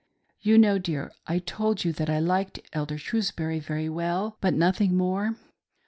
You know, dear, I told you that I liked Elder Shrewsbury very well, but nothing more.